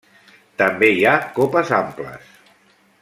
També hi ha copes amples.